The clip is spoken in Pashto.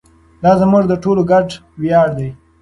دا زموږ د ټولو ګډ ویاړ دی.